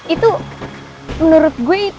itu menurut gue aneh banget